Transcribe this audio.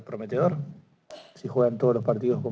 jika mereka memenangkan pertempuran seperti hari ini